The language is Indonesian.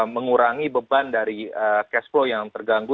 mengurangi beban dari cashflow yang terganggu